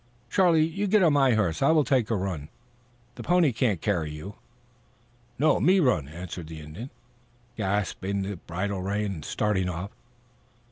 "Charlie, you get on my horse. I will take a run. That pony can't carry you." "No, me run," answered the Indian, grasping the bridle rein and starting off.